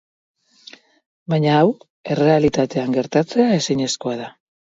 Baina hau errealitatean gertatzea ezinezkoa da.